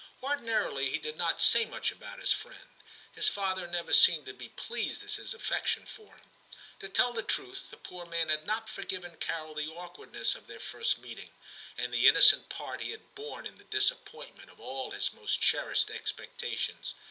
Ordinarily he did not say much about his friend ; his father never seemed to be pleased at his affection for him. To tell the truth, the poor man had not forgiven Carol the awkwardness of their first meeting, and the innocent part he had borne in the disappointment of all his most cherished expectations.